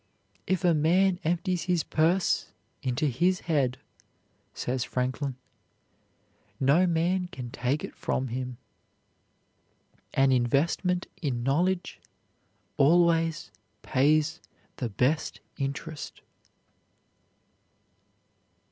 "If a man empties his purse into his head," says Franklin, "no man can take it from him. An investment in knowledge always pays the best interest."